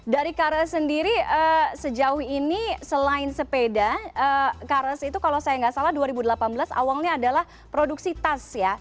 dari kares sendiri sejauh ini selain sepeda kares itu kalau saya nggak salah dua ribu delapan belas awalnya adalah produksi tas ya